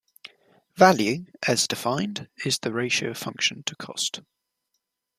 Value, as defined, is the ratio of function to cost.